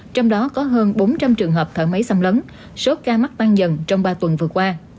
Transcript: trong đó có hơn bốn trăm linh trường hợp thở máy xâm lấn số ca mắc tăng dần trong ba tuần vừa qua